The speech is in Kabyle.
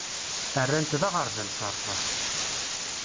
Rran-t d aɣerbal s rrsas.